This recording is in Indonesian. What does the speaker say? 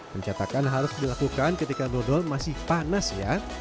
pencetakan harus dilakukan ketika dodol masih panas ya